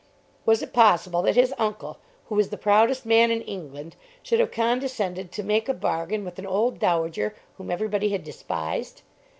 Was it possible that his uncle, who was the proudest man in England, should have condescended to make a bargain with an old dowager whom everybody had despised?